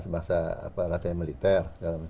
bahasa latihan militer